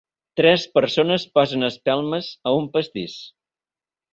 Tres persones posen espelmes a un pastís.